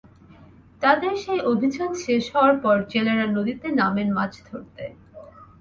তাঁদের সেই অভিযান শেষ হওয়ার পর জেলেরা নদীতে নামেন মাছ ধরতে।